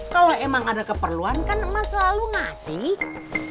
kalau emang ada keperluan kan emas selalu ngasih